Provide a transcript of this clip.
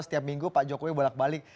setiap minggu pak jokowi bolak balik